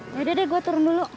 yaudah deh gue turun dulu